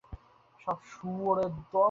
সর, শুয়োরের দল।